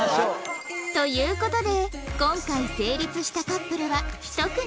という事で今回成立したカップルは１組